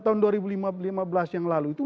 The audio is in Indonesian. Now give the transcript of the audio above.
tahun dua ribu lima belas yang lalu itu